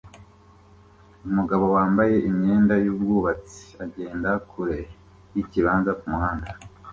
Umugabo wambaye imyenda yubwubatsi agenda kure yikibanza kumuhanda